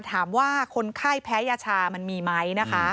ถามว่าคนไข้แพ้ยาชามันมีไหมนะคะ